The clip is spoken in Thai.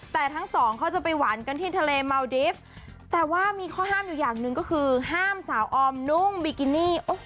แต่ทั้งสองเขาจะไปหวานกันที่ทะเลเมาดิฟต์แต่ว่ามีข้อห้ามอยู่อย่างหนึ่งก็คือห้ามสาวออมนุ่งบิกินี่